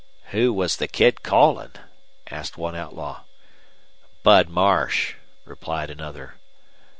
"Who was the Kid callin'?" asked one outlaw. "Bud Marsh," replied another.